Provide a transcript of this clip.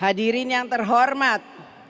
hadirin yang terhormat